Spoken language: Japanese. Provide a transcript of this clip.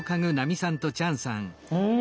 うん。